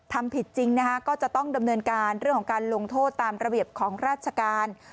ทำผิดจริงนะคะก็จะต้องดำเนินการเรื่องของการลงโทษตามระเบียบของราชการ